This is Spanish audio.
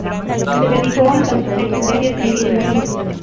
Se dedicó entonces a estudiar y escribir en Berlín.